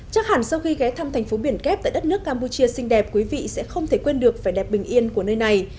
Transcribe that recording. chắc hẳn sau khi ghé thăm thành phố biển kép tại đất nước campuchia xinh đẹp quý vị sẽ không thể quên được vẻ đẹp bình yên của nơi này